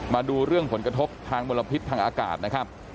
มาดูเรื่องผลกระทบทางมลพิษทางอากาศนะครับ